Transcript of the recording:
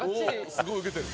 「すごいウケてる」